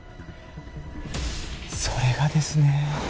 それがですね